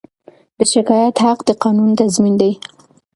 د شکایت حق د قانون تضمین دی.